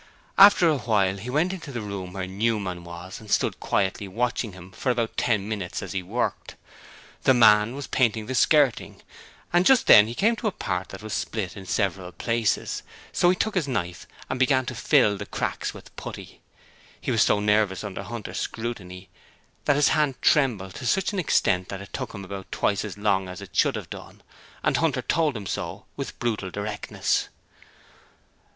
After a while he went into the room where Newman was and stood quietly watching him for about ten minutes as he worked. The man was painting the skirting, and just then he came to a part that was split in several places, so he took his knife and began to fill the cracks with putty. He was so nervous under Hunter's scrutiny that his hand trembled to such an extent that it took him about twice as long as it should have done, and Hunter told him so with brutal directness.